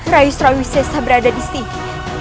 raius rauhisesa berada di sini